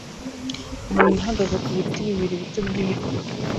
muntu uhagaze ku biti bibiri bito by'ibiti